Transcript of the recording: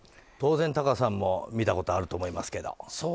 当然、タカさんも見たことあると思いますけど。